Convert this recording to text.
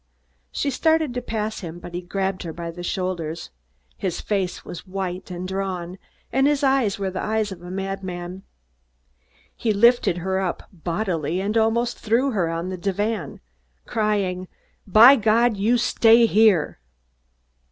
She started to pass him, but he grabbed her by the shoulders. His face was white and drawn and his eyes were the eyes of a madman. He lifted her up bodily and almost threw her on the divan, crying, "By God! You stay here!"